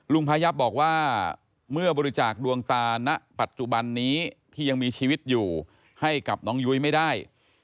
พายับบอกว่าเมื่อบริจาคดวงตาณปัจจุบันนี้ที่ยังมีชีวิตอยู่ให้กับน้องยุ้ยไม่ได้